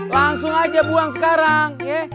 langsung aja buang sekarang